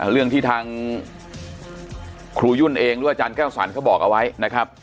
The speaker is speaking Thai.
เรื่องที่ทางครูยุ่นเองหรืออาจารย์แก้วสรรเขาบอกเอาไว้นะครับ